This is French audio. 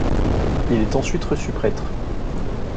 Il est ensuite reçu prêtre.